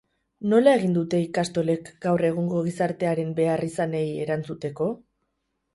Nola egin dute ikastolek gaur egungo gizartearen beharrizanei erantzuteko?